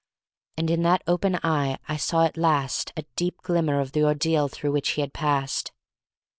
And in that open eye I saw at last a deep glimmer of the ordeal through which he had passed.